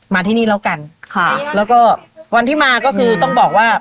มาที่นี่แล้วกันค่ะแล้วก็วันที่มาก็คือต้องบอกว่า